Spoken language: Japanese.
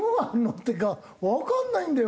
っていうかわかんないんだよ。